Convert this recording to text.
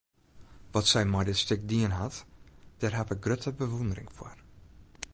Wat sy mei dit stik dien hat, dêr haw ik grutte bewûndering foar.